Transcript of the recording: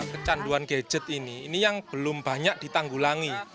kecanduan gadget ini ini yang belum banyak ditanggulangi